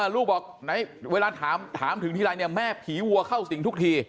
ลูกบอกเวลาถามถึงที่ไหนแม่ผีวัวเข้าสิงทุกที